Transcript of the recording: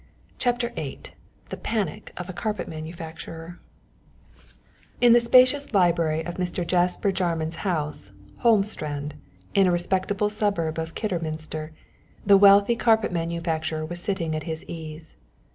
CHAPTER VIII THE PANIC OF A CARPET MANUFACTURER In the spacious library of Mr. Jasper Jarman's house, "Holmstrand," in a respectable suburb of Kidderminster, the wealthy carpet manufacturer was sitting at his ease.